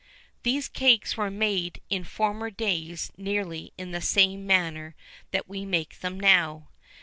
These cakes were made in former days nearly in the same manner that we make them now.